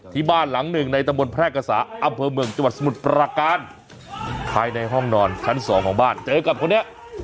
ที่บ้านหลังหนึ่งในตะบนแพร่กษาอำเภอเมืองจังหวัดสมุทรประการภายในห้องนอนชั้นสองของบ้านเจอกับคนนี้